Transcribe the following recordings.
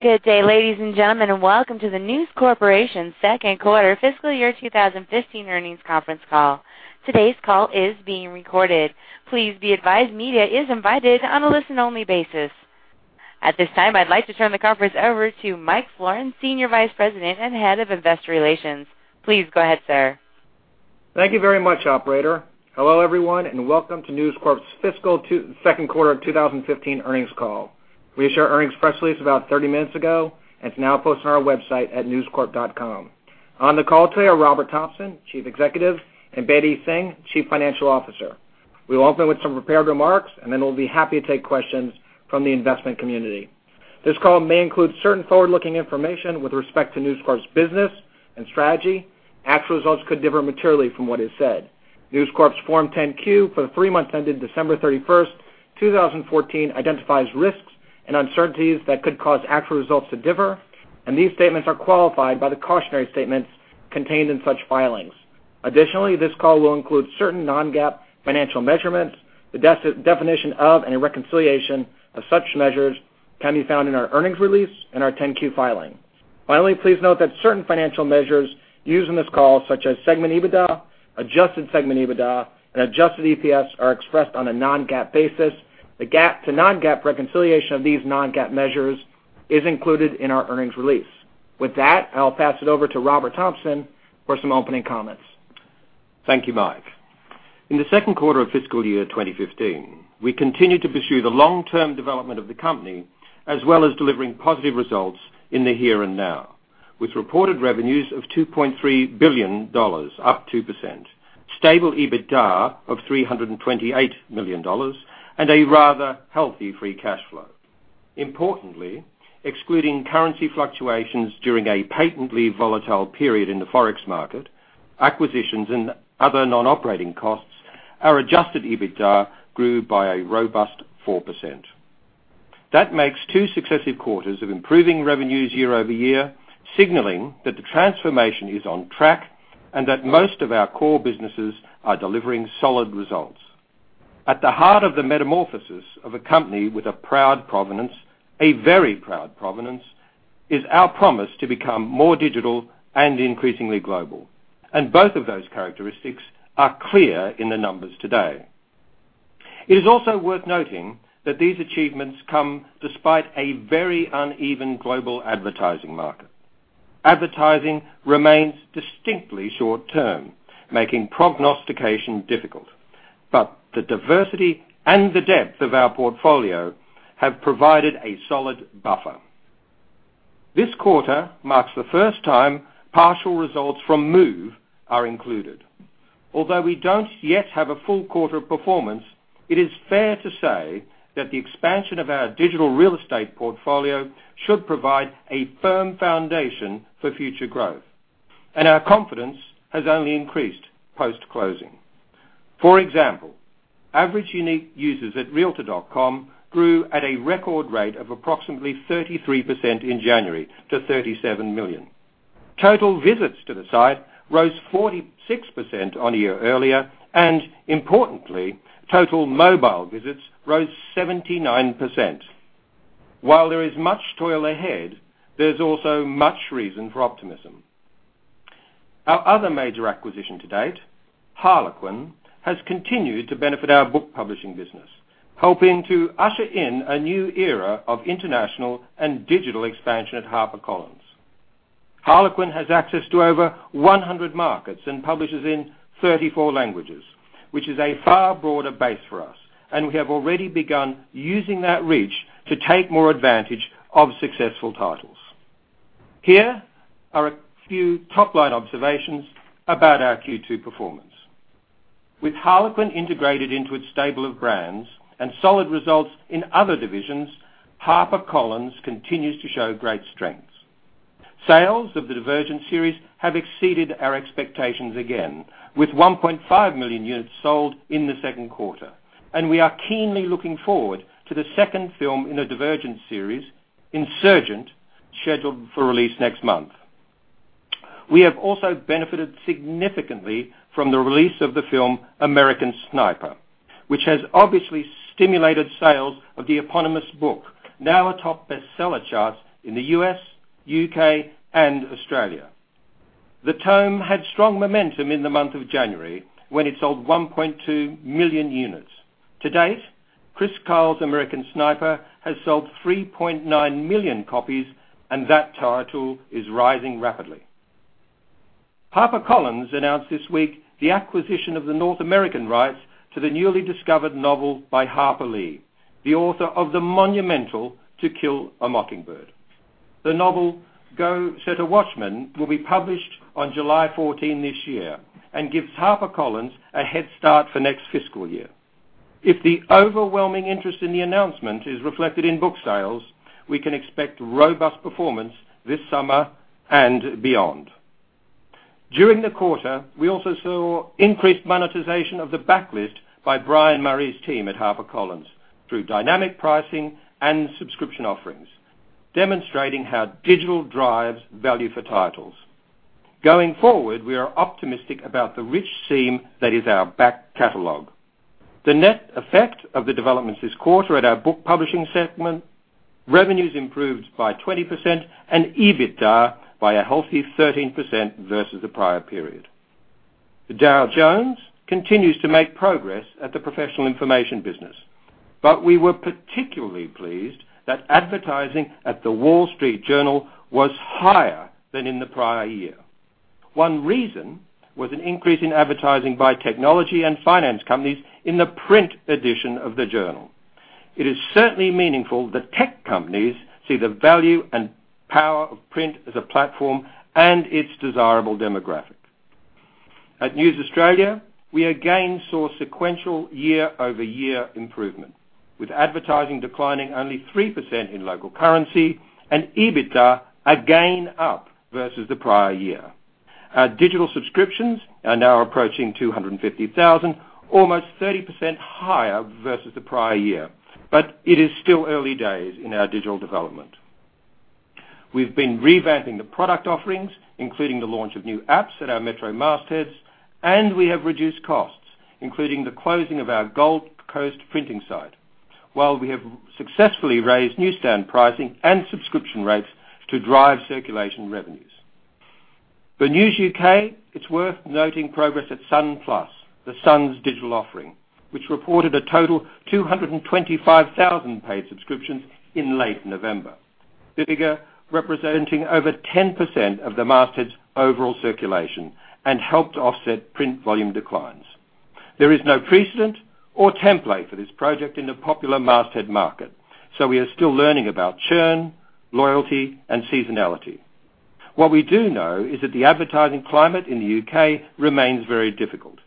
Good day, ladies and gentlemen, and welcome to the News Corporation second quarter FY 2015 earnings conference call. Today's call is being recorded. Please be advised, media is invited on a listen only basis. At this time, I'd like to turn the conference over to Michael Florin, Senior Vice President and Head of Investor Relations. Please go ahead, sir. Thank you very much, operator. Hello, everyone, and welcome to News Corp's fiscal second quarter 2015 earnings call. We issued our earnings press release about 30 minutes ago, and it's now posted on our website at newscorp.com. On the call today are Robert Thomson, Chief Executive, and Bedi Singh, Chief Financial Officer. We will open with some prepared remarks, and then we'll be happy to take questions from the investment community. This call may include certain forward-looking information with respect to News Corp's business and strategy. Actual results could differ materially from what is said. News Corp's Form 10-Q for the three months ended December 31st, 2014, identifies risks and uncertainties that could cause actual results to differ, and these statements are qualified by the cautionary statements contained in such filings. Additionally, this call will include certain non-GAAP financial measurements. The definition of and a reconciliation of such measures can be found in our earnings release and our 10-Q filing. Finally, please note that certain financial measures used in this call, such as segment EBITDA, adjusted segment EBITDA, and adjusted EPS, are expressed on a non-GAAP basis. The GAAP to non-GAAP reconciliation of these non-GAAP measures is included in our earnings release. With that, I'll pass it over to Robert Thomson for some opening comments. Thank you, Mike. In the second quarter of fiscal year 2015, we continued to pursue the long-term development of the company, as well as delivering positive results in the here and now. With reported revenues of $2.3 billion, up 2%, stable EBITDA of $328 million, and a rather healthy free cash flow. Importantly, excluding currency fluctuations during a patently volatile period in the Forex market, acquisitions, and other non-operating costs, our adjusted EBITDA grew by a robust 4%. That makes two successive quarters of improving revenues year-over-year, signaling that the transformation is on track and that most of our core businesses are delivering solid results. At the heart of the metamorphosis of a company with a proud provenance, a very proud provenance, is our promise to become more digital and increasingly global. Both of those characteristics are clear in the numbers today. It is also worth noting that these achievements come despite a very uneven global advertising market. Advertising remains distinctly short-term, making prognostication difficult. The diversity and the depth of our portfolio have provided a solid buffer. This quarter marks the first time partial results from Move are included. Although we don't yet have a full quarter of performance, it is fair to say that the expansion of our digital real estate portfolio should provide a firm foundation for future growth. Our confidence has only increased post-closing. For example, average unique users at realtor.com grew at a record rate of approximately 33% in January to 37 million. Total visits to the site rose 46% on a year earlier, importantly, total mobile visits rose 79%. While there is much toil ahead, there's also much reason for optimism. Our other major acquisition to date, Harlequin, has continued to benefit our book publishing business, helping to usher in a new era of international and digital expansion at HarperCollins. Harlequin has access to over 100 markets and publishes in 34 languages, which is a far broader base for us, we have already begun using that reach to take more advantage of successful titles. Here are a few top-line observations about our Q2 performance. With Harlequin integrated into its stable of brands and solid results in other divisions, HarperCollins continues to show great strengths. Sales of the Divergent series have exceeded our expectations again, with 1.5 million units sold in the second quarter. We are keenly looking forward to the second film in the Divergent series, Insurgent, scheduled for release next month. We have also benefited significantly from the release of the film American Sniper, which has obviously stimulated sales of the eponymous book, now atop bestseller charts in the U.S., U.K., and Australia. The tome had strong momentum in the month of January, when it sold 1.2 million units. To date, Chris Kyle's American Sniper has sold 3.9 million copies, that title is rising rapidly. HarperCollins announced this week the acquisition of the North American rights to the newly discovered novel by Harper Lee, the author of the monumental To Kill a Mockingbird. The novel, Go Set a Watchman, will be published on July 14 this year and gives HarperCollins a head start for next fiscal year. If the overwhelming interest in the announcement is reflected in book sales, we can expect robust performance this summer and beyond. During the quarter, we also saw increased monetization of the backlist by Brian Murray's team at HarperCollins through dynamic pricing and subscription offerings, demonstrating how digital drives value for titles. Going forward, we are optimistic about the rich seam that is our back catalog. The net effect of the developments this quarter at our book publishing segment, revenues improved by 20% and EBITDA by a healthy 13% versus the prior period. The Dow Jones continues to make progress at the professional information business. We were particularly pleased that advertising at The Wall Street Journal was higher than in the prior year. One reason was an increase in advertising by technology and finance companies in the print edition of the Journal. It is certainly meaningful that tech companies see the value and power of print as a platform and its desirable demographic. At News Corp Australia, we again saw sequential year-over-year improvement, with advertising declining only 3% in local currency and EBITDA again up versus the prior year. Our digital subscriptions are now approaching 250,000, almost 30% higher versus the prior year. It is still early days in our digital development. We've been revamping the product offerings, including the launch of new apps at our Metro mastheads, and we have reduced costs, including the closing of our Gold Coast printing site, while we have successfully raised newsstand pricing and subscription rates to drive circulation revenues. For News UK, it's worth noting progress at Sun+, The Sun's digital offering, which reported a total 225,000 paid subscriptions in late November. The figure representing over 10% of the masthead's overall circulation and helped offset print volume declines. There is no precedent or template for this project in the popular masthead market, we are still learning about churn, loyalty, and seasonality. What we do know is that the advertising climate in the U.K. remains very difficult,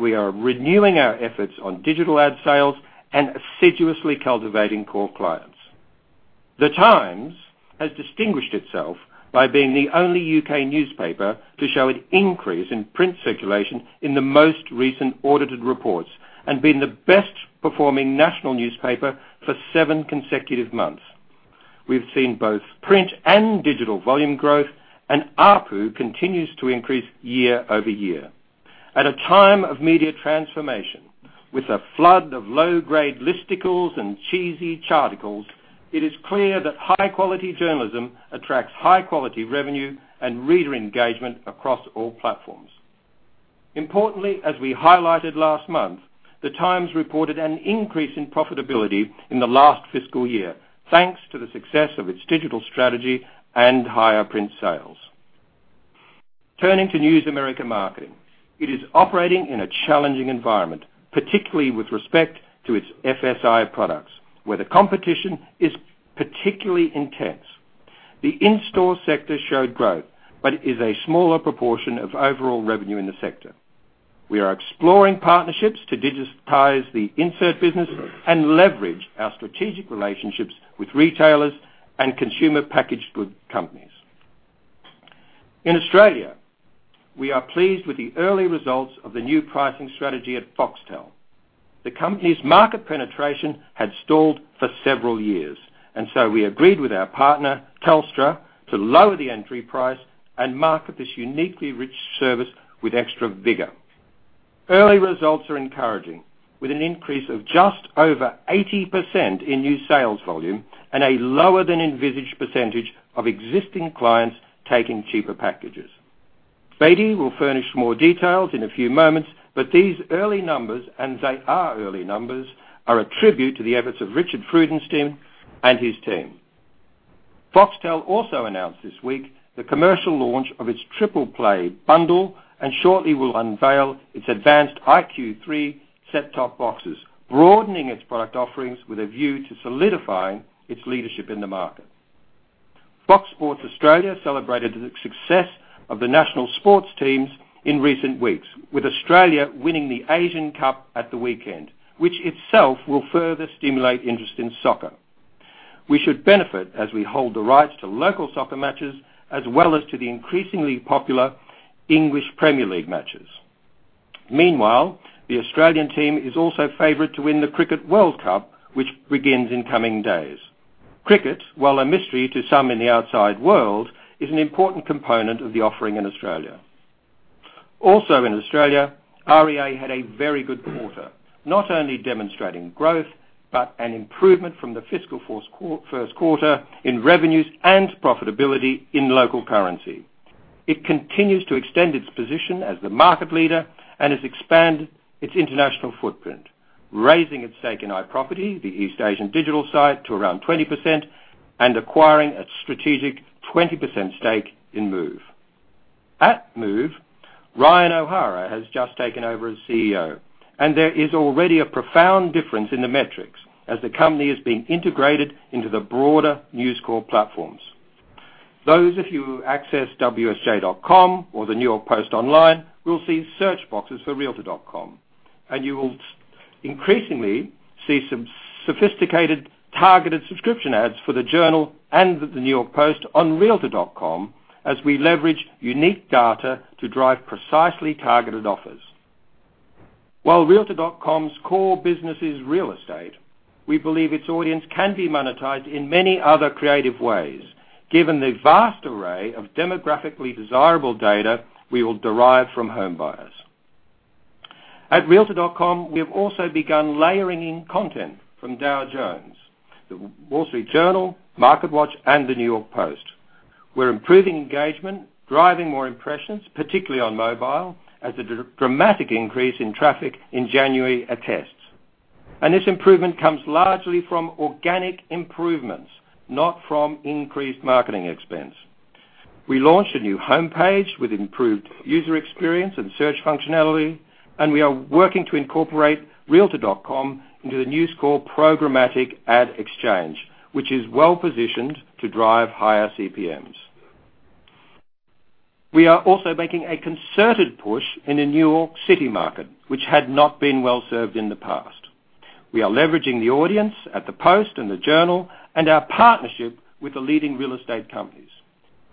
we are renewing our efforts on digital ad sales and assiduously cultivating core clients. The Times has distinguished itself by being the only U.K. newspaper to show an increase in print circulation in the most recent audited reports and been the best performing national newspaper for seven consecutive months. We've seen both print and digital volume growth, and ARPU continues to increase year-over-year. At a time of media transformation with a flood of low-grade listicles and cheesy charticles, it is clear that high-quality journalism attracts high-quality revenue and reader engagement across all platforms. Importantly, as we highlighted last month, The Times reported an increase in profitability in the last fiscal year, thanks to the success of its digital strategy and higher print sales. Turning to News America Marketing. It is operating in a challenging environment, particularly with respect to its FSI products, where the competition is particularly intense. The in-store sector showed growth, is a smaller proportion of overall revenue in the sector. We are exploring partnerships to digitize the insert business and leverage our strategic relationships with retailers and consumer packaged goods companies. In Australia, we are pleased with the early results of the new pricing strategy at Foxtel. The company's market penetration had stalled for several years, we agreed with our partner, Telstra, to lower the entry price and market this uniquely rich service with extra vigor. Early results are encouraging, with an increase of just over 80% in new sales volume and a lower than envisaged percentage of existing clients taking cheaper packages. Bedi will furnish more details in a few moments, these early numbers, and they are early numbers, are a tribute to the efforts of Richard Freudenstein and his team. Foxtel also announced this week the commercial launch of its Triple Play bundle and shortly will unveil its advanced iQ3 set-top boxes, broadening its product offerings with a view to solidifying its leadership in the market. Fox Sports Australia celebrated the success of the national sports teams in recent weeks, with Australia winning the Asian Cup at the weekend, which itself will further stimulate interest in soccer. We should benefit as we hold the rights to local soccer matches, as well as to the increasingly popular English Premier League matches. Meanwhile, the Australian team is also favored to win the Cricket World Cup, which begins in coming days. Cricket, while a mystery to some in the outside world, is an important component of the offering in Australia. Also in Australia, REA had a very good quarter. Not only demonstrating growth, but an improvement from the fiscal first quarter in revenues and profitability in local currency. It continues to extend its position as the market leader and has expanded its international footprint, raising its stake in iProperty, the East Asian digital site, to around 20% and acquiring a strategic 20% stake in Move. At Move, Ryan O'Hara has just taken over as CEO, and there is already a profound difference in the metrics as the company is being integrated into the broader News Corp platforms. Those of you who access wsj.com or the New York Post online will see search boxes for realtor.com, and you will increasingly see some sophisticated targeted subscription ads for the Journal and the New York Post on realtor.com as we leverage unique data to drive precisely targeted offers. While realtor.com's core business is real estate, we believe its audience can be monetized in many other creative ways, given the vast array of demographically desirable data we will derive from home buyers. At realtor.com, we have also begun layering in content from Dow Jones, The Wall Street Journal, MarketWatch, and the New York Post. We're improving engagement, driving more impressions, particularly on mobile, as a dramatic increase in traffic in January attests. This improvement comes largely from organic improvements, not from increased marketing expense. We launched a new homepage with improved user experience and search functionality, and we are working to incorporate realtor.com into the News Corp programmatic ad exchange, which is well-positioned to drive higher CPMs. We are also making a concerted push in the New York City market, which had not been well-served in the past. We are leveraging the audience at the Post and the Journal and our partnership with the leading real estate companies.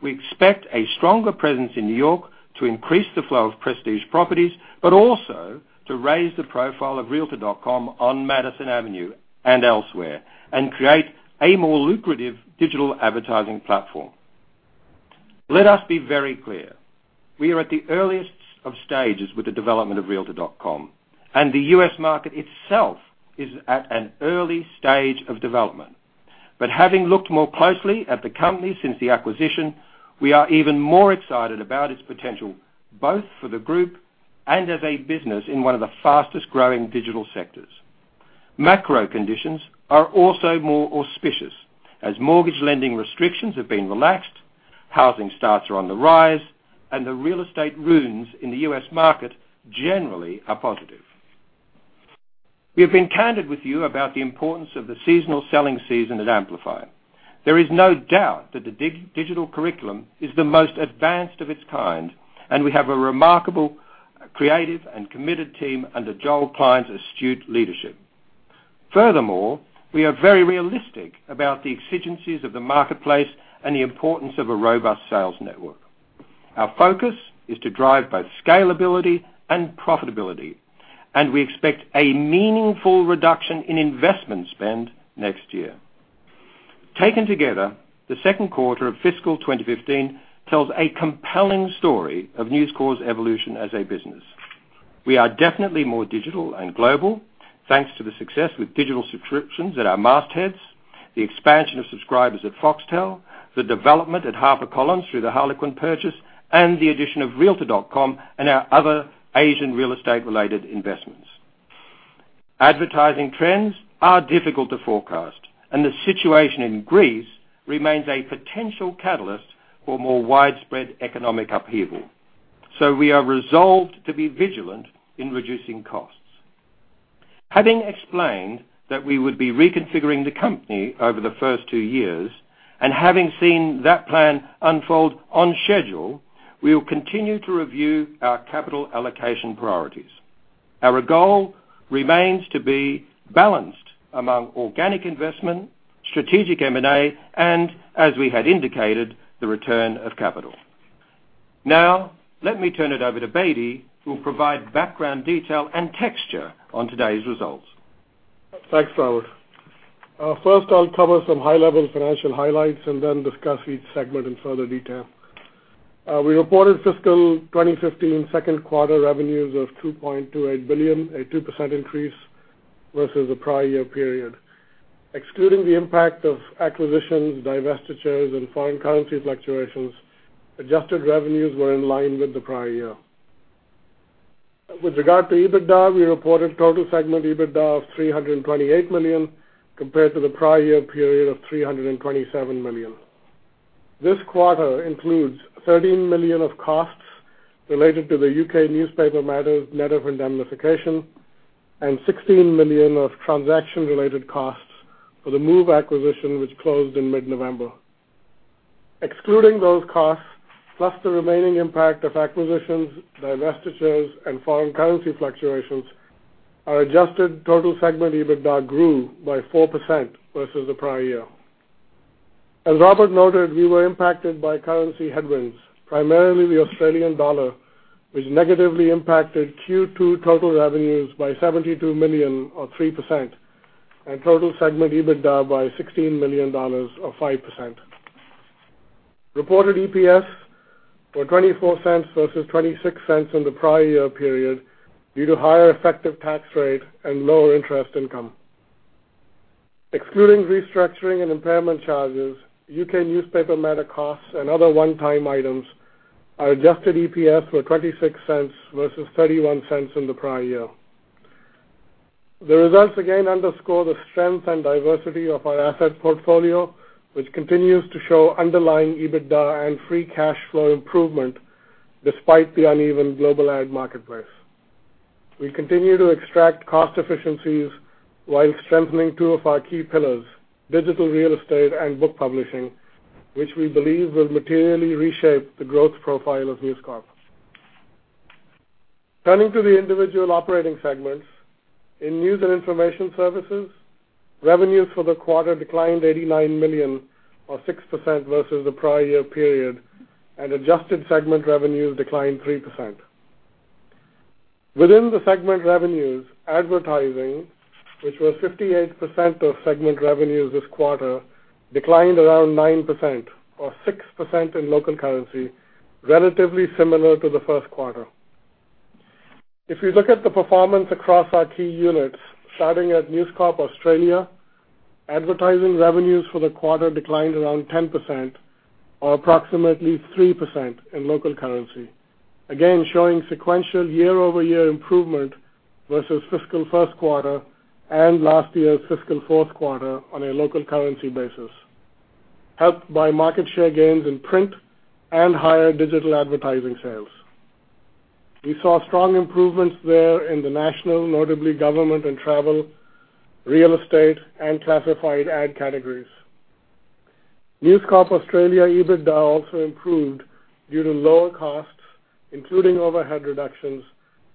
We expect a stronger presence in New York to increase the flow of prestige properties, but also to raise the profile of realtor.com on Madison Avenue and elsewhere, and create a more lucrative digital advertising platform. Let us be very clear. We are at the earliest of stages with the development of realtor.com, and the U.S. market itself is at an early stage of development. Having looked more closely at the company since the acquisition, we are even more excited about its potential, both for the group and as a business in one of the fastest-growing digital sectors. Macro conditions are also more auspicious, as mortgage lending restrictions have been relaxed, housing starts are on the rise, and the real estate rooms in the U.S. market generally are positive. We have been candid with you about the importance of the seasonal selling season at Amplify. There is no doubt that the digital curriculum is the most advanced of its kind, and we have a remarkable creative and committed team under Joel Klein's astute leadership. Furthermore, we are very realistic about the exigencies of the marketplace and the importance of a robust sales network. Our focus is to drive both scalability and profitability, and we expect a meaningful reduction in investment spend next year. Taken together, the second quarter of fiscal 2015 tells a compelling story of News Corp's evolution as a business. We are definitely more digital and global, thanks to the success with digital subscriptions at our mastheads, the expansion of subscribers at Foxtel, the development at HarperCollins through the Harlequin purchase, and the addition of realtor.com and our other Asian real estate-related investments. Advertising trends are difficult to forecast, and the situation in Greece remains a potential catalyst for more widespread economic upheaval. We are resolved to be vigilant in reducing costs. Having explained that we would be reconfiguring the company over the first two years, and having seen that plan unfold on schedule, we will continue to review our capital allocation priorities. Our goal remains to be balanced among organic investment, strategic M&A, and, as we had indicated, the return of capital. Let me turn it over to Bedi, who will provide background detail and texture on today's results. Thanks, Robert. I'll cover some high-level financial highlights and then discuss each segment in further detail. We reported fiscal 2015 second-quarter revenues of $2.28 billion, a 2% increase versus the prior year period. Excluding the impact of acquisitions, divestitures, and foreign currency fluctuations, adjusted revenues were in line with the prior year. With regard to EBITDA, we reported total segment EBITDA of $328 million, compared to the prior year period of $327 million. This quarter includes $13 million of costs related to the U.K. newspaper matters net of indemnification and $16 million of transaction-related costs for the Move acquisition, which closed in mid-November. Excluding those costs, plus the remaining impact of acquisitions, divestitures, and foreign currency fluctuations, our adjusted total segment EBITDA grew by 4% versus the prior year. As Robert noted, we were impacted by currency headwinds, primarily the Australian dollar, which negatively impacted Q2 total revenues by 72 million, or 3%, and total segment EBITDA by 16 million dollars, or 5%. Reported EPS were $0.24 versus $0.26 in the prior year period due to higher effective tax rate and lower interest income. Excluding restructuring and impairment charges, U.K. newspaper matters costs and other one-time items, our adjusted EPS were $0.26 versus $0.31 in the prior year. The results again underscore the strength and diversity of our asset portfolio, which continues to show underlying EBITDA and free cash flow improvement despite the uneven global ad marketplace. We continue to extract cost efficiencies while strengthening two of our key pillars, digital real estate and book publishing, which we believe will materially reshape the growth profile of News Corp. Turning to the individual operating segments, in news and information services. Revenues for the quarter declined $89 million, or 6% versus the prior year period, and adjusted segment revenues declined 3%. Within the segment revenues, advertising, which was 58% of segment revenues this quarter, declined around 9%, or 6% in local currency, relatively similar to the first quarter. If you look at the performance across our key units, starting at News Corp Australia, advertising revenues for the quarter declined around 10%, or approximately 3% in local currency. Again, showing sequential year-over-year improvement versus fiscal first quarter and last year's fiscal fourth quarter on a local currency basis, helped by market share gains in print and higher digital advertising sales. We saw strong improvements there in the national, notably government and travel, real estate, and classified ad categories. News Corp Australia EBITDA also improved due to lower costs, including overhead reductions,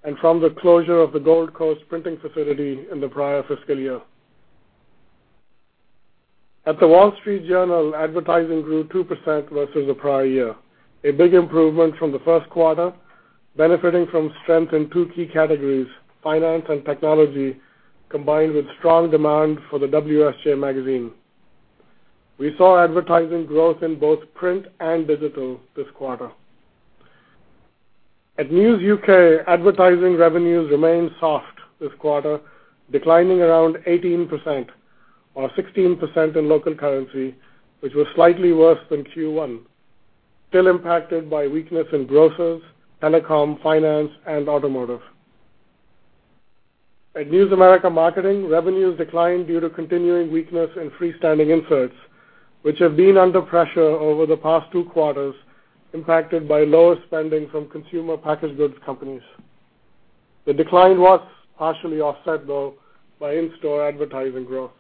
and from the closure of the Gold Coast printing facility in the prior fiscal year. At The Wall Street Journal, advertising grew 2% versus the prior year. A big improvement from the first quarter, benefiting from strength in two key categories: finance and technology, combined with strong demand for The WSJ magazine. We saw advertising growth in both print and digital this quarter. At News UK, advertising revenues remained soft this quarter, declining around 18%, or 16% in local currency, which was slightly worse than Q1, still impacted by weakness in grocers, telecom, finance, and automotive. At News America Marketing, revenues declined due to continuing weakness in freestanding inserts, which have been under pressure over the past two quarters, impacted by lower spending from consumer packaged goods companies. The decline was partially offset, though, by in-store advertising growth.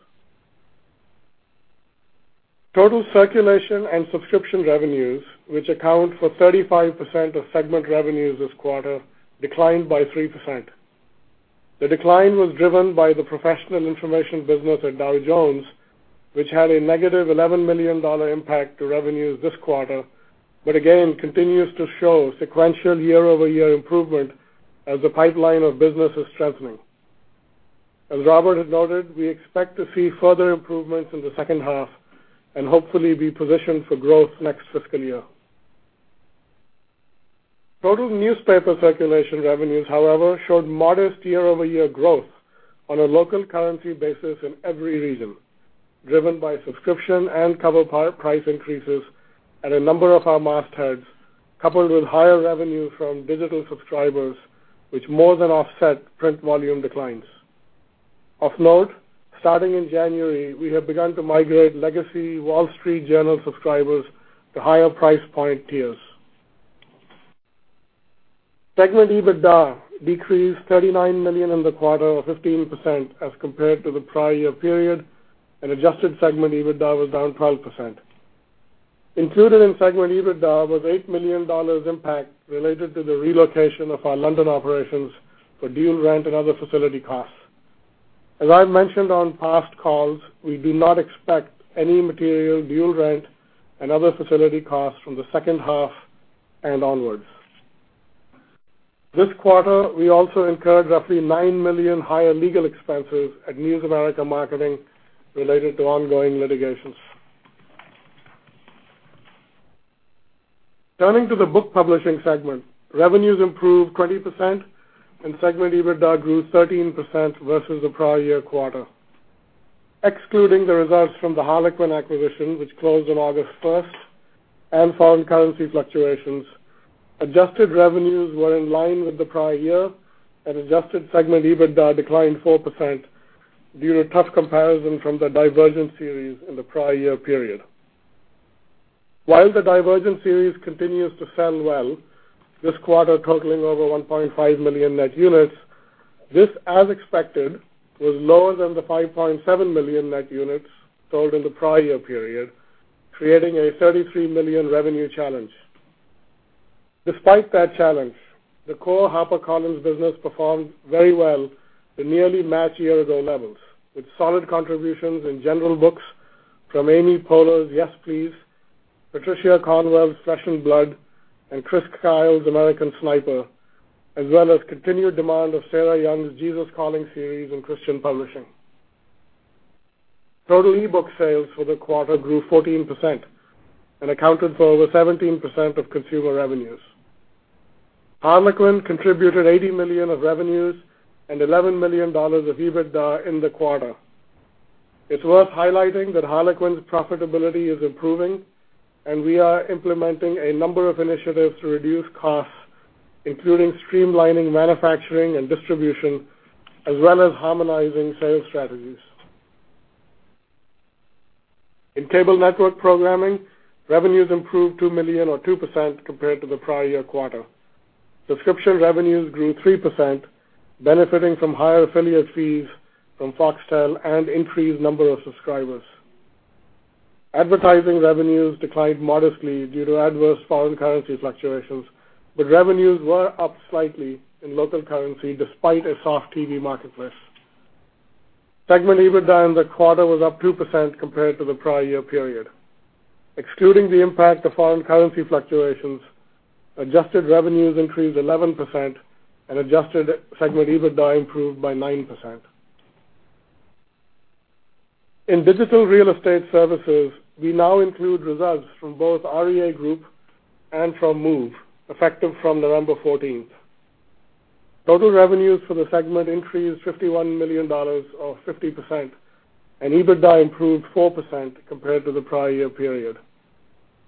Total circulation and subscription revenues, which account for 35% of segment revenues this quarter, declined by 3%. The decline was driven by the professional information business at Dow Jones, which had a negative $11 million impact to revenues this quarter, but again, continues to show sequential year-over-year improvement as the pipeline of business is strengthening. As Robert had noted, we expect to see further improvements in the second half and hopefully be positioned for growth next fiscal year. Total newspaper circulation revenues, however, showed modest year-over-year growth on a local currency basis in every region, driven by subscription and cover price increases at a number of our mastheads, coupled with higher revenue from digital subscribers, which more than offset print volume declines. Of note, starting in January, we have begun to migrate legacy Wall Street Journal subscribers to higher price point tiers. Segment EBITDA decreased $39 million in the quarter, or 15%, as compared to the prior year period, and adjusted segment EBITDA was down 12%. Included in segment EBITDA was $8 million impact related to the relocation of our London operations for dual rent and other facility costs. As I've mentioned on past calls, we do not expect any material dual rent and other facility costs from the second half and onwards. This quarter, we also incurred roughly $9 million higher legal expenses at News America Marketing related to ongoing litigations. Turning to the book publishing segment, revenues improved 20%, and segment EBITDA grew 13% versus the prior year quarter. Excluding the results from the Harlequin acquisition, which closed on August 1st, and foreign currency fluctuations, adjusted revenues were in line with the prior year, and adjusted segment EBITDA declined 4% due to tough comparison from the Divergent series in the prior year period. While the Divergent series continues to sell well, this quarter totaling over 1.5 million net units, this, as expected, was lower than the 5.7 million net units sold in the prior year period, creating a $33 million revenue challenge. Despite that challenge, the core HarperCollins business performed very well to nearly match year-ago levels, with solid contributions in general books from Amy Poehler's "Yes Please," Patricia Cornwell's "Flesh and Blood," and Chris Kyle's "American Sniper," as well as continued demand of Sarah Young's "Jesus Calling" series in Christian publishing. Total e-book sales for the quarter grew 14% and accounted for over 17% of consumer revenues. Harlequin contributed $80 million of revenues and $11 million of EBITDA in the quarter. It's worth highlighting that Harlequin's profitability is improving, we are implementing a number of initiatives to reduce costs, including streamlining manufacturing and distribution, as well as harmonizing sales strategies. In cable network programming, revenues improved $2 million or 2% compared to the prior year quarter. Subscription revenues grew 3%, benefiting from higher affiliate fees from Foxtel and increased number of subscribers. Advertising revenues declined modestly due to adverse foreign currency fluctuations, revenues were up slightly in local currency despite a soft TV marketplace. Segment EBITDA in the quarter was up 2% compared to the prior year period. Excluding the impact of foreign currency fluctuations, adjusted revenues increased 11% and adjusted segment EBITDA improved by 9%. In digital real estate services, we now include results from both REA Group and from Move effective from November 14th. Total revenues for the segment increased $51 million or 50%, EBITDA improved 4% compared to the prior year period.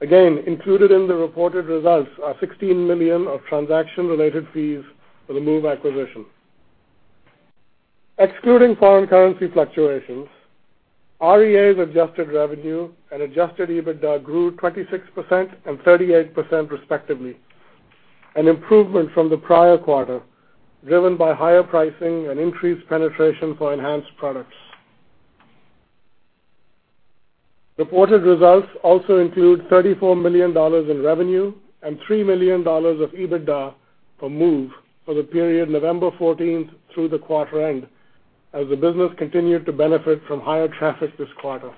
Again, included in the reported results are $16 million of transaction-related fees for the Move acquisition. Excluding foreign currency fluctuations, REA's adjusted revenue and adjusted EBITDA grew 26% and 38% respectively, an improvement from the prior quarter, driven by higher pricing and increased penetration for enhanced products. Reported results also include $34 million in revenue and $3 million of EBITDA for Move for the period November 14th through the quarter end, as the business continued to benefit from higher traffic this quarter.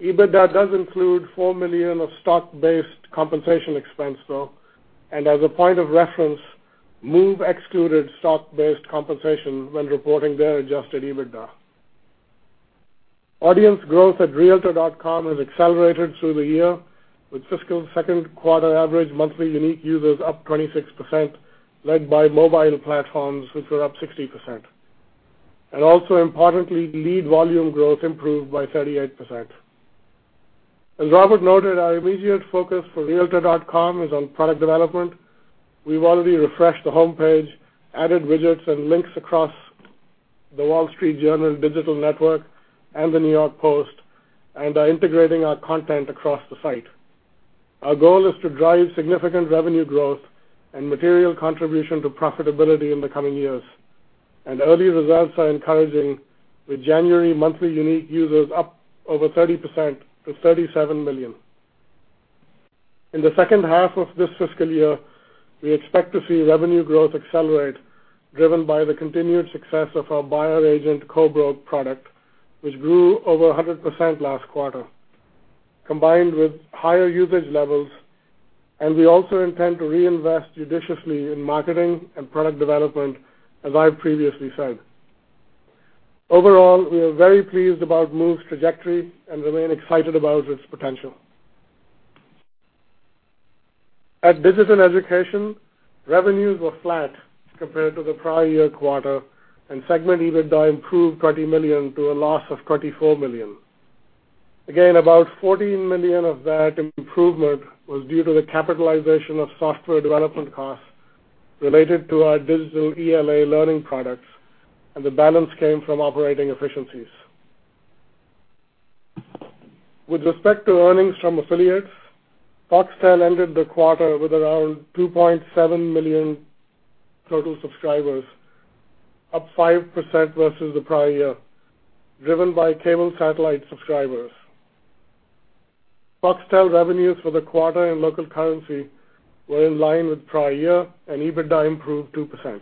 EBITDA does include $4 million of stock-based compensation expense though, as a point of reference, Move excluded stock-based compensation when reporting their adjusted EBITDA. Audience growth at realtor.com has accelerated through the year, with fiscal second quarter average monthly unique users up 26%, led by mobile platforms which were up 60%. Also importantly, lead volume growth improved by 38%. As Robert noted, our immediate focus for realtor.com is on product development. We've already refreshed the homepage, added widgets and links across The Wall Street Journal digital network and the New York Post, are integrating our content across the site. Our goal is to drive significant revenue growth and material contribution to profitability in the coming years, early results are encouraging with January monthly unique users up over 30% to 37 million. In the second half of this fiscal year, we expect to see revenue growth accelerate, driven by the continued success of our buyer-agent co-broke product, which grew over 100% last quarter, combined with higher usage levels. We also intend to reinvest judiciously in marketing and product development, as I've previously said. Overall, we are very pleased about Move's trajectory and remain excited about its potential. At Business and Education, revenues were flat compared to the prior year quarter, and segment EBITDA improved $20 million to a loss of $24 million. Again, about $40 million of that improvement was due to the capitalization of software development costs related to our digital ELA learning products, and the balance came from operating efficiencies. With respect to earnings from affiliates, Foxtel ended the quarter with around 2.7 million total subscribers, up 5% versus the prior year, driven by cable satellite subscribers. Foxtel revenues for the quarter in local currency were in line with prior year and EBITDA improved 2%.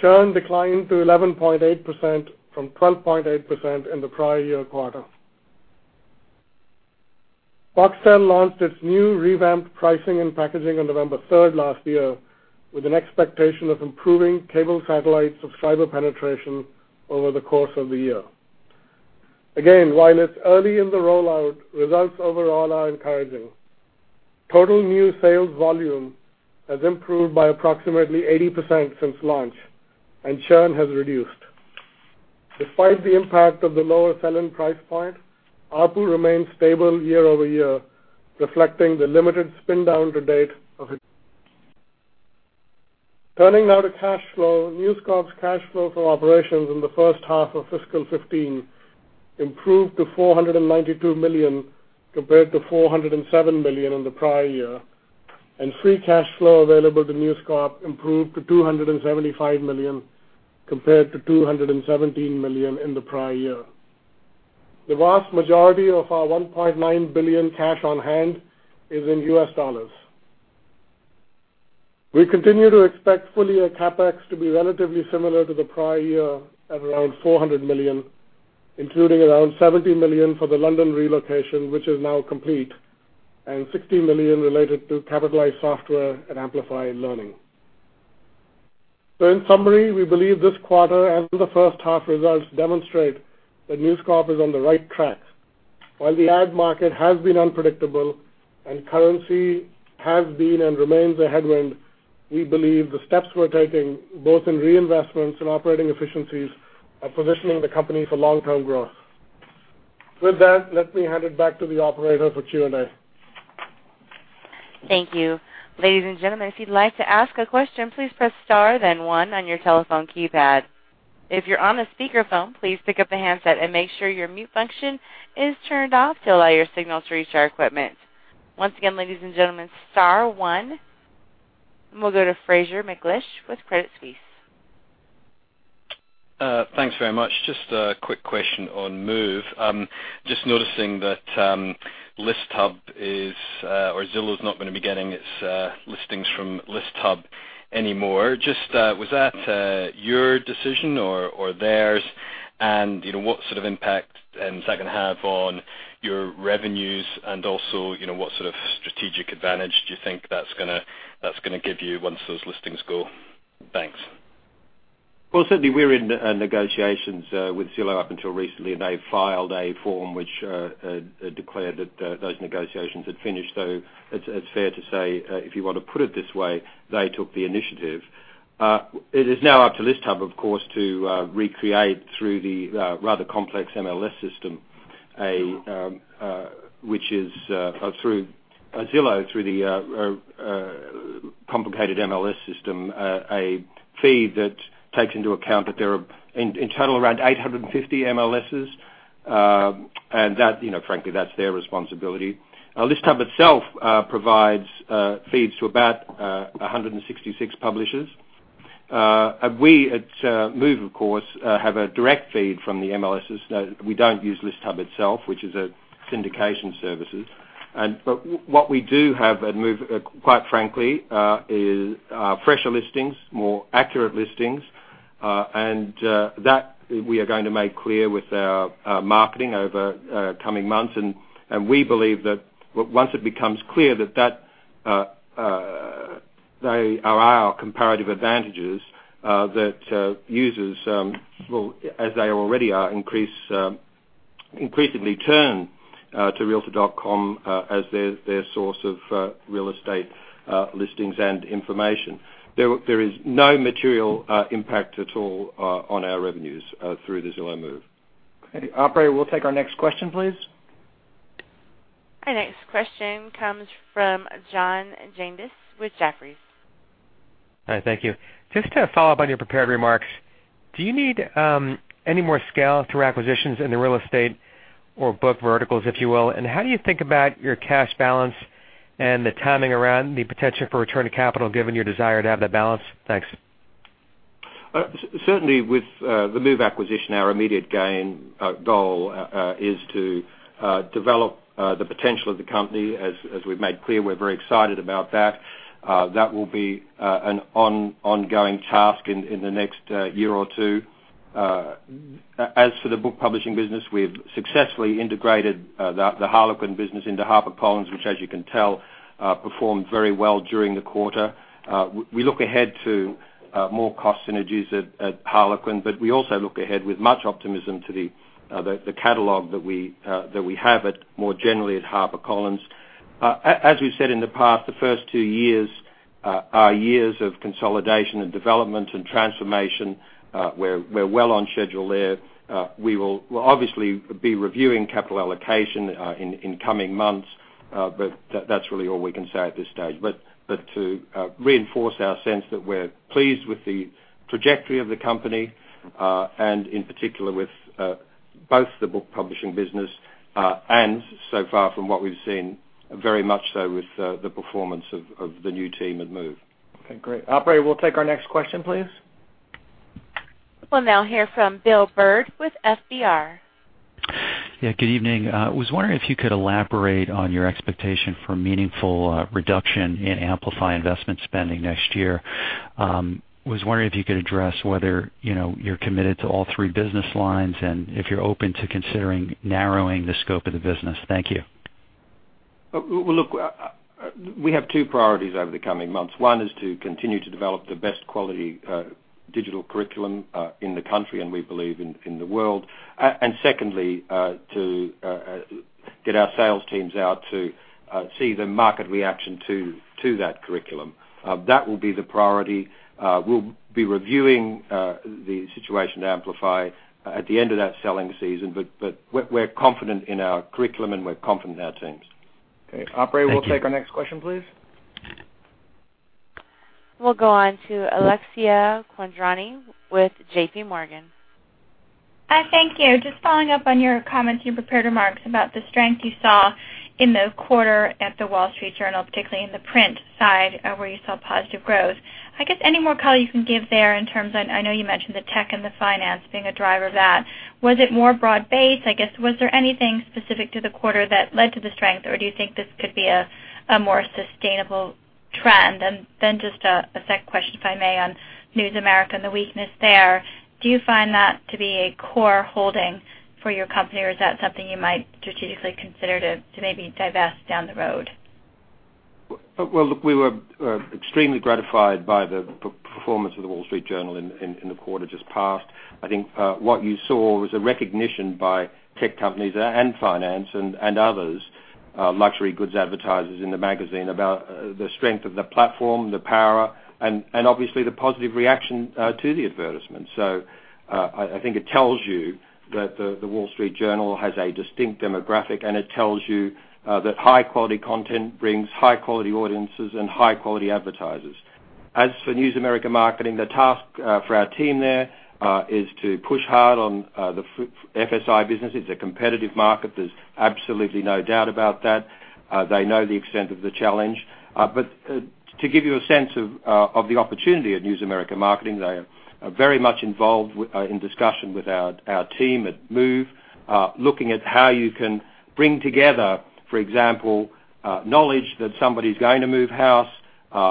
Churn declined to 11.8% from 12.8% in the prior year quarter. Foxtel launched its new revamped pricing and packaging on November 3rd last year with an expectation of improving cable satellite subscriber penetration over the course of the year. While it's early in the rollout, results overall are encouraging. Total new sales volume has improved by approximately 80% since launch, and churn has reduced. Despite the impact of the lower selling price point, ARPU remains stable year-over-year, reflecting the limited spin down to date of it. Turning now to cash flow. News Corp's cash flow from operations in the first half of fiscal 2015 improved to $492 million compared to $407 million in the prior year, and free cash flow available to News Corp improved to $275 million compared to $217 million in the prior year. The vast majority of our $1.9 billion cash on hand is in US dollars. We continue to expect full-year CapEx to be relatively similar to the prior year at around $400 million, including around $70 million for the London relocation, which is now complete, and $60 million related to capitalized software and Amplify Learning. In summary, we believe this quarter and the first half results demonstrate that News Corp is on the right track. While the ad market has been unpredictable and currency has been and remains a headwind, we believe the steps we're taking, both in reinvestments and operating efficiencies, are positioning the company for long-term growth. With that, let me hand it back to the operator for Q&A. Thank you. Ladies and gentlemen, if you'd like to ask a question, please press star then one on your telephone keypad. If you're on a speakerphone, please pick up a handset and make sure your mute function is turned off to allow your signal to reach our equipment. Once again, ladies and gentlemen, star one. We'll go to Fraser McLeish with Credit Suisse. Thanks very much. Just a quick question on Move. Just noticing that ListHub is, or Zillow's not going to be getting its listings from ListHub anymore. Was that your decision or theirs? What sort of impact is that going to have on your revenues? What sort of strategic advantage do you think that's going to give you once those listings go? Thanks. Well, certainly we were in negotiations with Zillow up until recently, they filed a form which declared that those negotiations had finished. It's fair to say, if you want to put it this way, they took the initiative. It is now up to ListHub, of course, to recreate through the rather complex MLS system, which is through Zillow, through the complicated MLS system, a feed that takes into account that there are in total around 850 MLSs, frankly, that's their responsibility. ListHub itself provides feeds to about 166 publishers. We at Move, of course, have a direct feed from the MLSs, we don't use ListHub itself, which is a syndication services. What we do have at Move, quite frankly, is fresher listings, more accurate listings, that we are going to make clear with our marketing over coming months. We believe that once it becomes clear that they are our comparative advantages, that users will, as they already are, increasingly turn to realtor.com as their source of real estate listings and information. There is no material impact at all on our revenues through the Zillow move. Okay. Operator, we'll take our next question, please. Our next question comes from John Janedis with Jefferies. Hi, thank you. Just to follow up on your prepared remarks, do you need any more scale through acquisitions in the real estate or book verticals, if you will? How do you think about your cash balance and the timing around the potential for return of capital, given your desire to have that balance? Thanks. Certainly with the Move acquisition, our immediate goal is to develop the potential of the company. As we've made clear, we're very excited about that. That will be an ongoing task in the next year or two. As for the book publishing business, we've successfully integrated the Harlequin business into HarperCollins, which, as you can tell performed very well during the quarter. We look ahead to more cost synergies at Harlequin, but we also look ahead with much optimism to the catalog that we have, more generally at HarperCollins. As we've said in the past, the first two years are years of consolidation and development and transformation. We're well on schedule there. We'll obviously be reviewing capital allocation in coming months, but that's really all we can say at this stage. To reinforce our sense that we're pleased with the trajectory of the company, and in particular with both the book publishing business, and so far from what we've seen, very much so with the performance of the new team at Move. Okay, great. Operator, we'll take our next question, please. We'll now hear from William Bird with FBR. Yeah, good evening. I was wondering if you could elaborate on your expectation for meaningful reduction in Amplify investment spending next year. Was wondering if you could address whether you're committed to all three business lines, and if you're open to considering narrowing the scope of the business. Thank you. Look, we have two priorities over the coming months. One is to continue to develop the best quality digital curriculum in the country, and we believe in the world. Secondly, to get our sales teams out to see the market reaction to that curriculum. That will be the priority. We'll be reviewing the situation at Amplify at the end of that selling season, but we're confident in our curriculum and we're confident in our teams. Thank you. Okay. Operator, we'll take our next question please. We'll go on to Alexia Quadrani with J.P. Morgan. Hi, thank you. Just following up on your comments on your prepared remarks about the strength you saw in the quarter at The Wall Street Journal, particularly in the print side, where you saw positive growth. I guess, any more color you can give there in terms of, I know you mentioned the tech and the finance being a driver of that. Was it more broad-based? I guess, was there anything specific to the quarter that led to the strength, or do you think this could be a more sustainable trend? Just a second question, if I may, on News America and the weakness there. Do you find that to be a core holding for your company, or is that something you might strategically consider to maybe divest down the road? Look, we were extremely gratified by the performance of The Wall Street Journal in the quarter just passed. I think what you saw was a recognition by tech companies and finance and others, luxury goods advertisers in the magazine, about the strength of the platform, the power, and obviously the positive reaction to the advertisement. I think it tells you that The Wall Street Journal has a distinct demographic, and it tells you that high-quality content brings high-quality audiences and high-quality advertisers. As for News America Marketing, the task for our team there is to push hard on the FSI business. It's a competitive market. There's absolutely no doubt about that. They know the extent of the challenge. To give you a sense of the opportunity at News America Marketing, they are very much involved in discussion with our team at Move, looking at how you can bring together, for example, knowledge that somebody's going to move house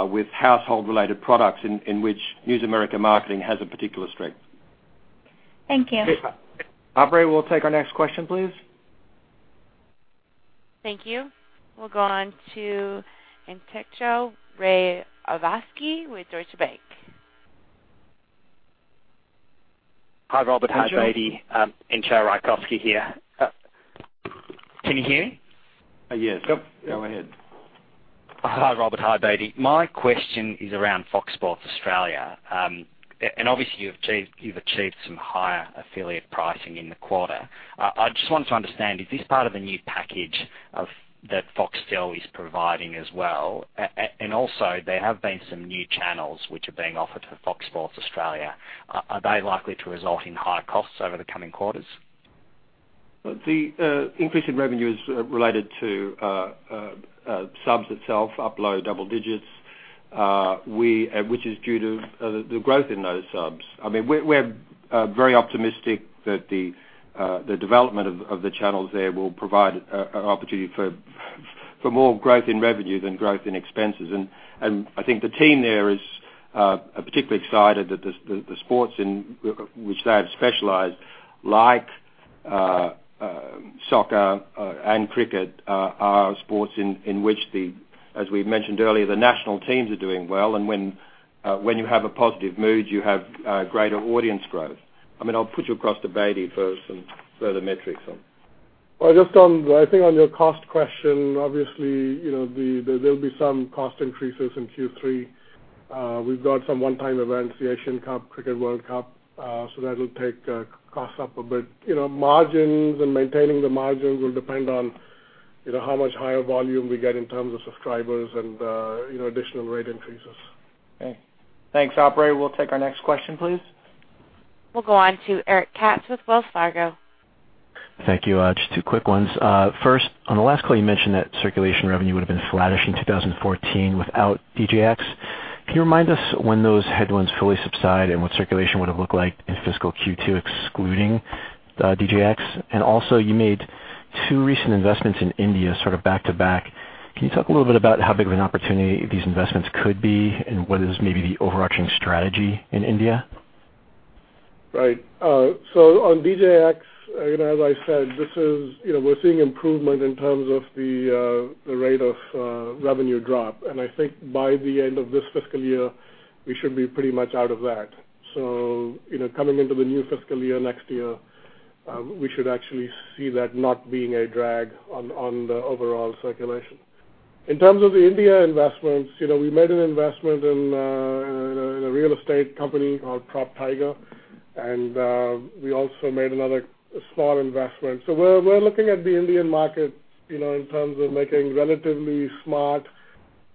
with household-related products in which News America Marketing has a particular strength. Thank you. Operator, we'll take our next question, please. Thank you. We'll go on to Entcho Raykovski with Deutsche Bank. Hi, Robert. Hi, Bedi. Entcho Raykovski here. Can you hear me? Yes. Yep. Go ahead. Hi, Robert. Hi, Bedi. My question is around Fox Sports Australia. Obviously you've achieved some higher affiliate pricing in the quarter. I just wanted to understand, is this part of a new package that Foxtel is providing as well? Also, there have been some new channels which are being offered for Fox Sports Australia. Are they likely to result in higher costs over the coming quarters? The increase in revenue is related to subs itself, up low double digits, which is due to the growth in those subs. We're very optimistic that the development of the channels there will provide an opportunity for more growth in revenue than growth in expenses. I think the team there is particularly excited that the sports in which they have specialized, like soccer and cricket, are sports in which the, as we mentioned earlier, the national teams are doing well, and when you have a positive mood, you have greater audience growth. I'll put you across to Bedi for some further metrics on that. Obviously, there'll be some cost increases in Q3. We've got some one-time events, the Asian Cup, Cricket World Cup, that'll take costs up a bit. Margins and maintaining the margins will depend on how much higher volume we get in terms of subscribers and additional rate increases. Okay. Thanks. Operator, we'll take our next question, please. We'll go on to Eric Katz with Wells Fargo. Thank you. Just two quick ones. First, on the last call, you mentioned that circulation revenue would've been flattish in 2014 without DJX. Can you remind us when those headwinds fully subside and what circulation would've looked like in fiscal Q2 excluding DJX? Also, you made two recent investments in India sort of back to back. Can you talk a little bit about how big of an opportunity these investments could be, and what is maybe the overarching strategy in India? Right. On DJX, as I said, we're seeing improvement in terms of the rate of revenue drop, and I think by the end of this fiscal year, we should be pretty much out of that. Coming into the new fiscal year next year, we should actually see that not being a drag on the overall circulation. In terms of the India investments, we made an investment in a real estate company called PropTiger, and we also made another small investment. We're looking at the Indian market, in terms of making relatively smart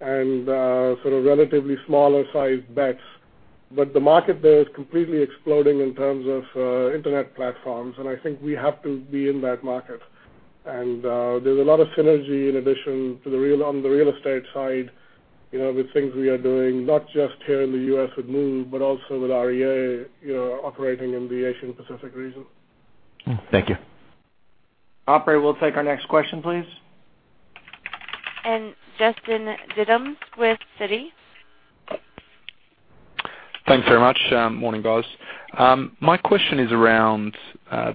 and sort of relatively smaller-sized bets. The market there is completely exploding in terms of internet platforms, and I think we have to be in that market. There's a lot of synergy in addition on the real estate side, with things we are doing, not just here in the U.S. with Move, but also with REA, operating in the Asia Pacific region. Thank you. Operator, we'll take our next question, please. Justin Diddams with Citi. Thanks very much. Morning, guys. My question is around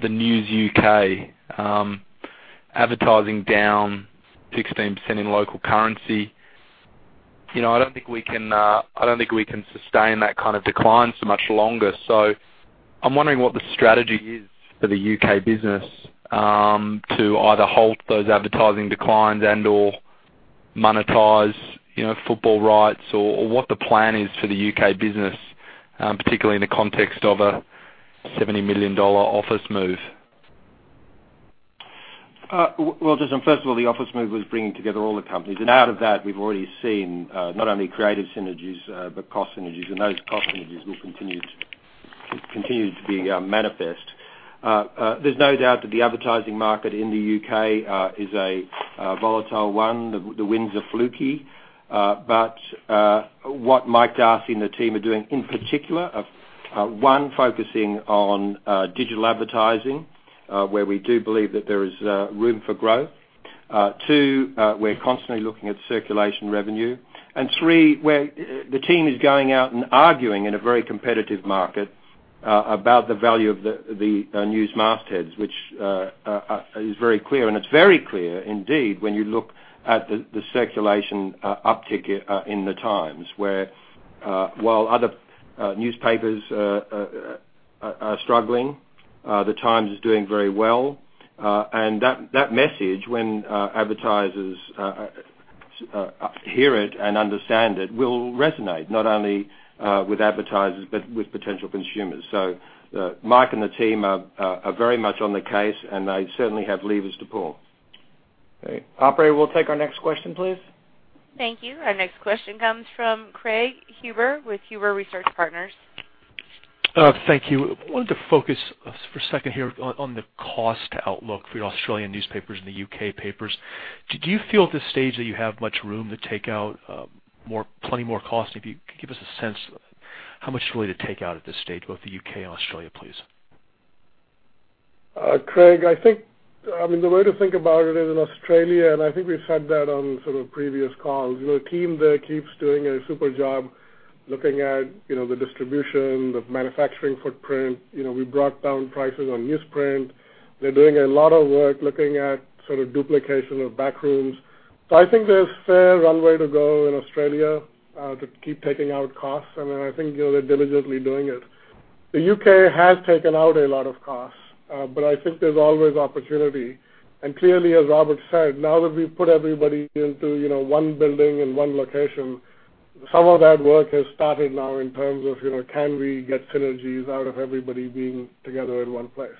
the News UK. Advertising down 16% in local currency. I don't think we can sustain that kind of decline so much longer. I'm wondering what the strategy is for the U.K. business to either halt those advertising declines and/or monetize football rights or what the plan is for the U.K. business, particularly in the context of a $70 million office move. Well, Justin, first of all, the office move was bringing together all the companies, and out of that, we've already seen not only creative synergies but cost synergies, and those cost synergies will continue to be manifest. There's no doubt that the advertising market in the U.K. is a volatile one. The winds are fluky. What Mike Darcey and the team are doing in particular of, one, focusing on digital advertising, where we do believe that there is room for growth. Two, we're constantly looking at circulation revenue. Three, where the team is going out and arguing in a very competitive market about the value of the news mastheads, which is very clear, and it's very clear indeed when you look at the circulation uptick in The Times, where while other newspapers are struggling, The Times is doing very well. That message, when advertisers hear it and understand it, will resonate not only with advertisers but with potential consumers. Mike and the team are very much on the case, and they certainly have levers to pull. Great. Operator, we'll take our next question, please. Thank you. Our next question comes from Craig Huber with Huber Research Partners. Thank you. I wanted to focus for a second here on the cost outlook for your Australian newspapers and the U.K. papers. Do you feel at this stage that you have much room to take out plenty more cost? If you could give us a sense how much room to take out at this stage, both the U.K. and Australia, please. Craig, the way to think about it is in Australia. I think we've said that on previous calls. The team there keeps doing a super job looking at the distribution, the manufacturing footprint. We brought down prices on newsprint. They're doing a lot of work looking at duplication of back rooms. I think there's fair runway to go in Australia, to keep taking out costs. I think they're diligently doing it. The U.K. has taken out a lot of costs. I think there's always opportunity. Clearly, as Robert said, now that we've put everybody into one building in one location, some of that work has started now in terms of can we get synergies out of everybody being together in one place.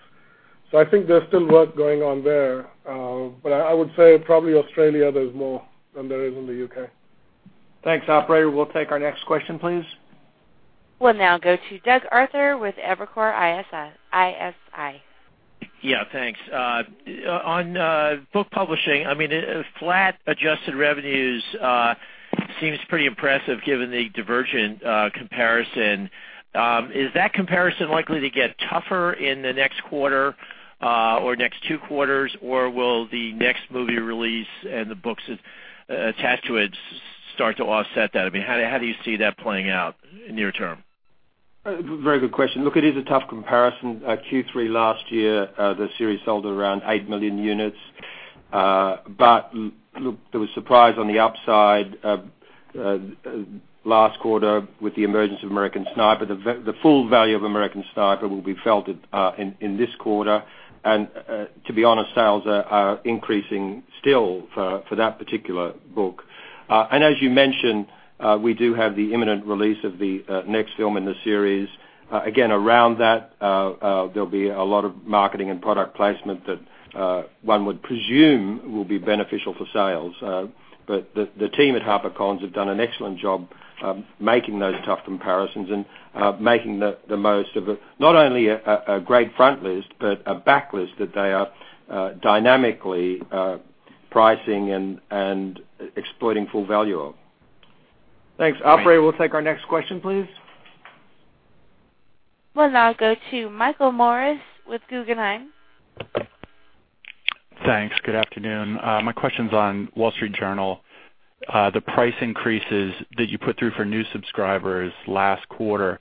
I think there's still work going on there. I would say probably Australia, there's more than there is in the U.K. Thanks. Operator, we'll take our next question, please. We'll now go to Doug Arthur with Evercore ISI. Yeah, thanks. On book publishing, flat adjusted revenues seems pretty impressive given the Divergent comparison. Is that comparison likely to get tougher in the next quarter, or next two quarters, or will the next movie release and the books attached to it start to offset that? How do you see that playing out near term? Very good question. Look, it is a tough comparison. Q3 last year, the series sold around eight million units. Look, there was surprise on the upside last quarter with the emergence of "American Sniper." The full value of "American Sniper" will be felt in this quarter. To be honest, sales are increasing still for that particular book. As you mentioned, we do have the imminent release of the next film in the series. Again, around that, there'll be a lot of marketing and product placement that one would presume will be beneficial for sales. The team at HarperCollins have done an excellent job of making those tough comparisons and making the most of it. Not only a great front list, but a back list that they are dynamically pricing and exploiting full value of. Thanks. Thanks. Operator, we'll take our next question, please. We'll now go to Michael Morris with Guggenheim. Thanks. Good afternoon. My question's on Wall Street Journal, the price increases that you put through for new subscribers last quarter.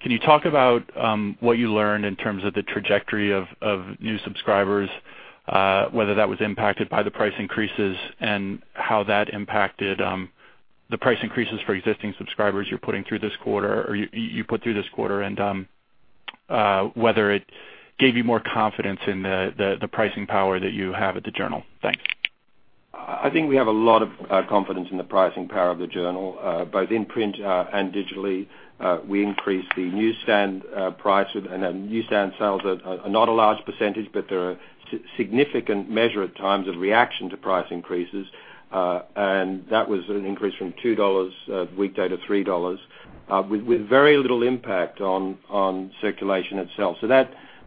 Can you talk about what you learned in terms of the trajectory of new subscribers, whether that was impacted by the price increases and how that impacted the price increases for existing subscribers you put through this quarter and whether it gave you more confidence in the pricing power that you have at the Journal? Thanks. I think we have a lot of confidence in the pricing power of the Journal, both in print and digitally. We increased the newsstand price. Newsstand sales are not a large percentage, but they're a significant measure at times of reaction to price increases. That was an increase from $2 weekday to $3, with very little impact on circulation itself.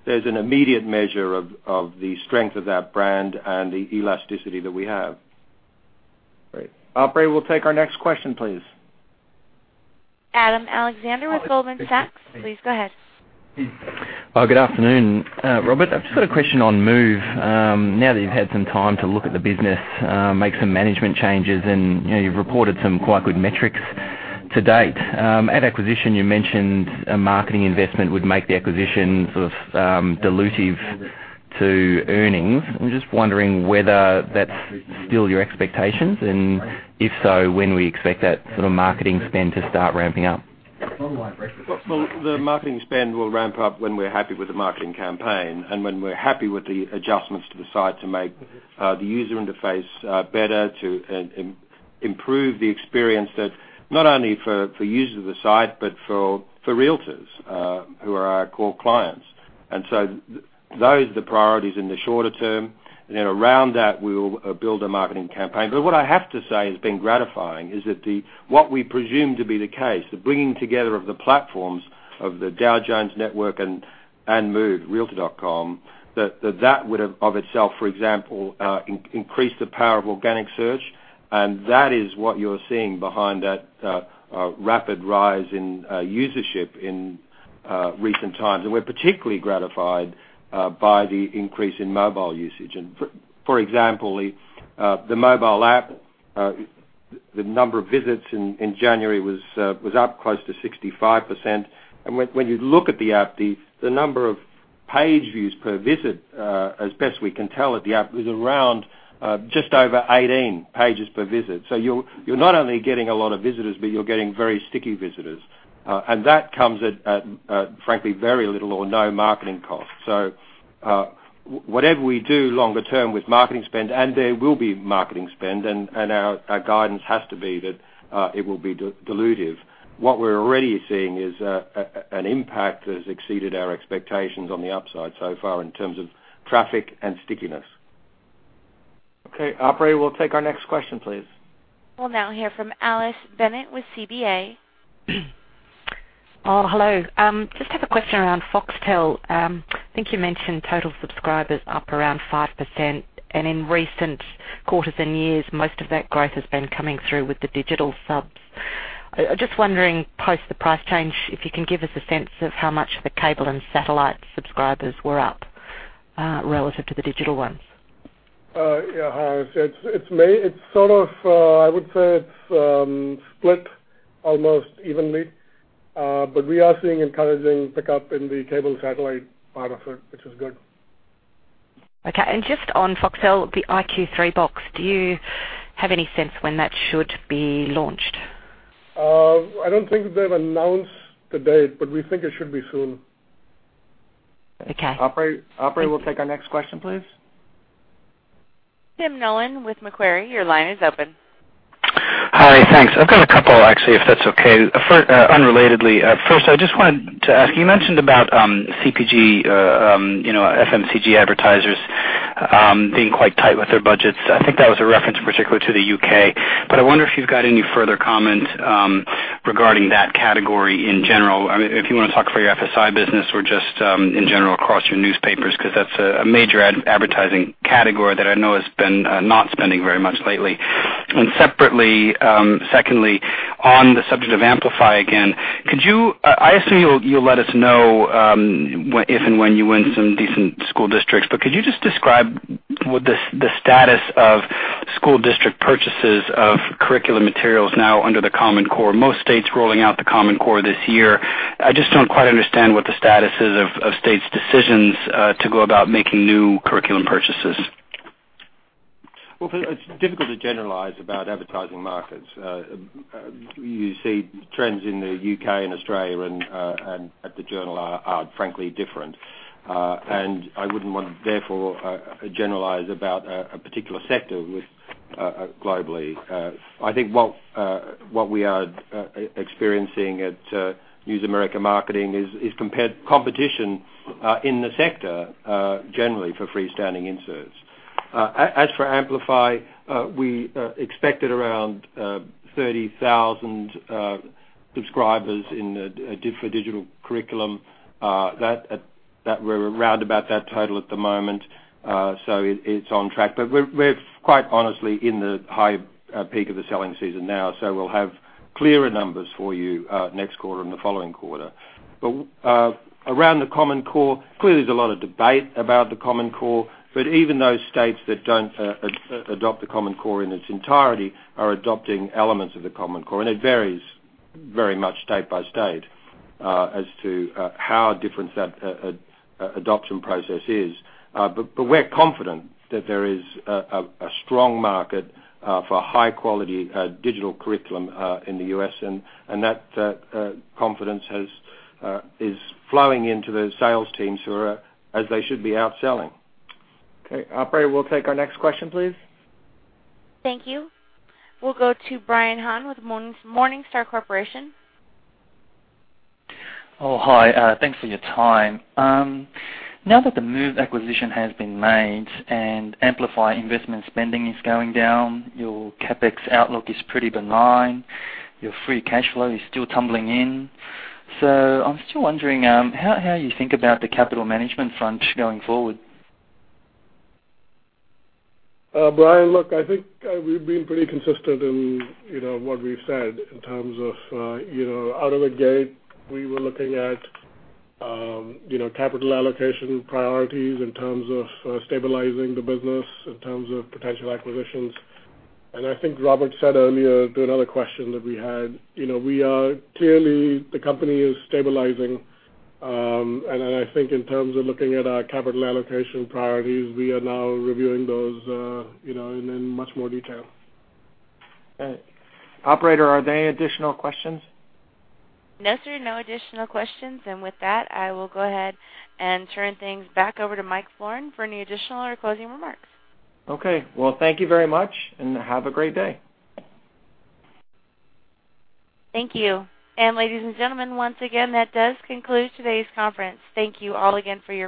There's an immediate measure of the strength of that brand and the elasticity that we have. Great. Operator, we'll take our next question, please. Adam Alexander with Goldman Sachs. Please go ahead. Well, good afternoon, Robert. I've just got a question on Move. Now that you've had some time to look at the business, make some management changes, and you've reported some quite good metrics to date. At acquisition, you mentioned a marketing investment would make the acquisition sort of dilutive to earnings. I'm just wondering whether that's still your expectations, and if so, when we expect that sort of marketing spend to start ramping up? Well, the marketing spend will ramp up when we're happy with the marketing campaign and when we're happy with the adjustments to the site to make the user interface better, to improve the experience that not only for users of the site, but for realtors, who are our core clients. Those are the priorities in the shorter term. Around that, we will build a marketing campaign. What I have to say has been gratifying is that what we presume to be the case, the bringing together of the platforms of the Dow Jones network and Move realtor.com, that would've of itself, for example increased the power of organic search. That is what you're seeing behind that rapid rise in usership in recent times. We're particularly gratified by the increase in mobile usage. For example, the mobile app, the number of visits in January was up close to 65%. When you look at the app, the number of page views per visit, as best we can tell at the app, was around just over 18 pages per visit. You're not only getting a lot of visitors, but you're getting very sticky visitors. That comes at frankly, very little or no marketing cost. Whatever we do longer term with marketing spend, and there will be marketing spend and our guidance has to be that it will be dilutive. What we're already seeing is an impact that has exceeded our expectations on the upside so far in terms of traffic and stickiness. Operator, we'll take our next question, please. We'll now hear from Alice Bennett with CBA. Hello. Just have a question around Foxtel. I think you mentioned total subscribers up around 5%, and in recent quarters and years, most of that growth has been coming through with the digital subs. Just wondering, post the price change, if you can give us a sense of how much the cable and satellite subscribers were up relative to the digital ones. Hi. I would say it's split almost evenly. We are seeing encouraging pickup in the cable and satellite part of it, which is good. Okay. Just on Foxtel, the iQ3 box, do you have any sense when that should be launched? I don't think they've announced the date, but we think it should be soon. Okay. Thank you. Operator, we'll take our next question, please. Tim Nollen with Macquarie, your line is open. Hi. Thanks. I've got a couple, actually, if that's okay. Unrelatedly, first, I just wanted to ask, you mentioned about CPG, FMCG advertisers being quite tight with their budgets. I think that was a reference in particular to the U.K. I wonder if you've got any further comment regarding that category in general. If you want to talk for your FSI business or just in general across your newspapers, because that's a major advertising category that I know has been not spending very much lately. Separately, secondly, on the subject of Amplify again, I assume you'll let us know if and when you win some decent school districts, but could you just describe the status of school district purchases of curriculum materials now under the Common Core? Most states rolling out the Common Core this year. I just don't quite understand what the status is of states' decisions to go about making new curriculum purchases. Well, it's difficult to generalize about advertising markets. You see trends in the U.K. and Australia and at "The Journal" are frankly different. I wouldn't want to therefore generalize about a particular sector globally. I think what we are experiencing at News America Marketing is competition in the sector generally for freestanding inserts. As for Amplify, we expected around 30,000 subscribers for digital curriculum. We're around about that total at the moment, so it's on track. We're quite honestly in the high peak of the selling season now, so we'll have clearer numbers for you next quarter and the following quarter. Around the Common Core, clearly there's a lot of debate about the Common Core, but even those states that don't adopt the Common Core in its entirety are adopting elements of the Common Core. It varies very much state by state as to how different that adoption process is. We're confident that there is a strong market for high-quality digital curriculum in the U.S., and that confidence is flowing into the sales teams who are, as they should be, out selling. Okay. Operator, we'll take our next question, please. Thank you. We'll go to Brian Han with Morningstar, Inc.. Oh, hi. Thanks for your time. Now that the Move acquisition has been made and Amplify investment spending is going down, your CapEx outlook is pretty benign. Your free cash flow is still tumbling in. I'm still wondering how you think about the capital management front going forward. Brian, look, I think we've been pretty consistent in what we've said in terms of out of the gate, we were looking at capital allocation priorities in terms of stabilizing the business, in terms of potential acquisitions. I think Robert Thomson said earlier to another question that we had, clearly the company is stabilizing. I think in terms of looking at our capital allocation priorities, we are now reviewing those in much more detail. Okay. Operator, are there any additional questions? No, sir. No additional questions. With that, I will go ahead and turn things back over to Michael Florin for any additional or closing remarks. Okay. Well, thank you very much, and have a great day. Thank you. Ladies and gentlemen, once again, that does conclude today's conference. Thank you all again for your participation.